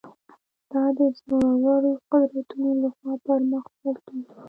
دا د زورورو قدرتونو له خوا پر مخ وړل کېږي.